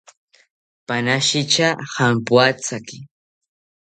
Panashitya jampoathaki